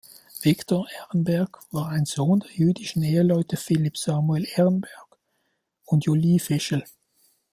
Victor Ehrenberg war ein Sohn der jüdischen Eheleute Philipp Samuel Ehrenberg und Julie Fischel.